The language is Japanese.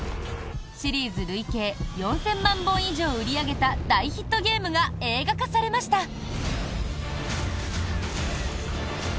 シリーズ累計４０００万本以上売り上げた大ヒットゲームが映画化されました。